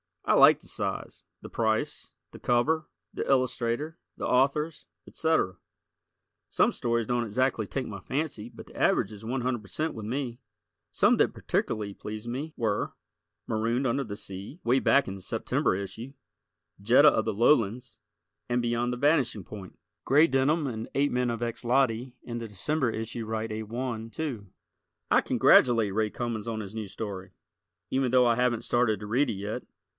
I like the size, the price, the cover, the illustrator, the authors, etc. Some stories don't exactly take my fancy but the average is 100% with me. Some that particularly pleased me were "Marooned Under the Sea," way back in the September issue, "Jetta of the Low lands" and "Beyond the Vanishing Point." "Gray Denim" and "Ape men of Xloti" in the December issue rite A 1, too. I congratulate Ray Cummings on his new story, even though I haven't started to read it yet.